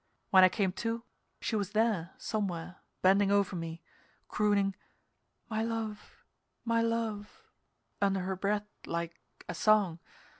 When I came to, she was there, somewhere, bending over me, crooning, "My love my love " under her breath like, a song.